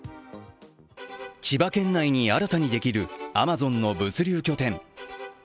千葉県内に新たにできるアマゾンの物流拠点。